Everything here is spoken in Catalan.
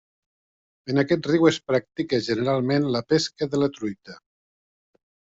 En aquest riu es practica generalment la pesca de la truita.